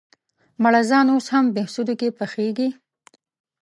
مړزان اوس هم بهسودو کې پخېږي؟